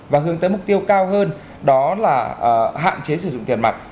và hướng tới mục tiêu cao hơn đó là hạn chế sử dụng tiền mặt